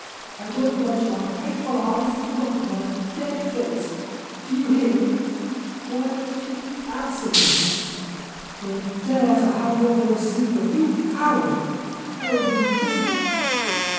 I don't want your hateful eyes to look at my dead face. Do you hear me? Why don't you answer me? Don't dare to hang up the receiver, you coward ! Oh, you big